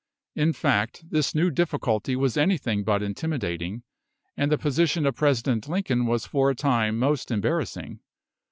In fact, this new difficulty was anything but intimidating, and the position of President Lincoln was for a time most embarrassing.